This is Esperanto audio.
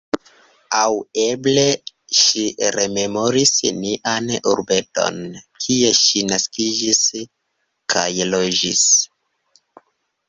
Aŭ eble ŝi rememoris nian urbeton, kie ŝi naskiĝis kaj loĝis.